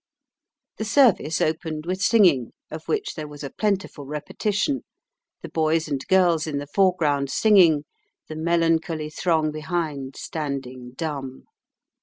The service opened with singing, of which there was a plentiful repetition, the boys and girls in the foreground singing, the melancholy throng behind standing dumb.